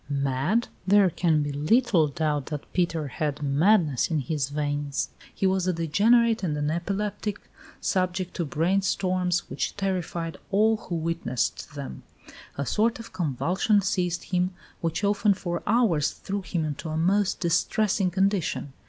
Mad? There can be little doubt that Peter had madness in his veins. He was a degenerate and an epileptic, subject to brain storms which terrified all who witnessed them. "A sort of convulsion seized him, which often for hours threw him into a most distressing condition.